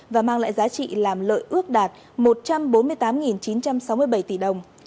và mang lại giá trị làm lợi ước đạt một trăm bốn mươi tám chín trăm sáu mươi bảy tỷ đồng